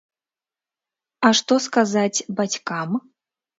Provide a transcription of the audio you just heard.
А што сказаць бацькам?